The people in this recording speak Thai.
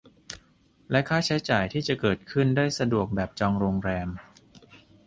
และค่าใช้จ่ายที่จะเกิดขึ้นได้สะดวกแบบจองโรงแรม